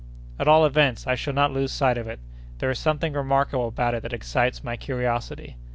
"At all events I shall not lose sight of it. There is something remarkable about it that excites my curiosity.